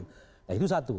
nah itu satu